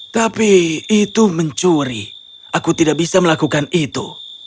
tapi itu mencuri aku tidak bisa melakukan itu